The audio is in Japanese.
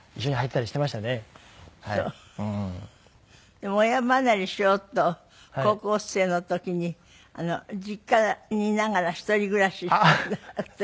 でも親離れしようと高校生の時に実家にいながら一人暮らししていたって？